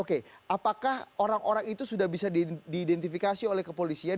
oke apakah orang orang itu sudah bisa diidentifikasi oleh kepolisian